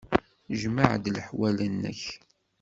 Jmeɛ-d leḥwal-nnek.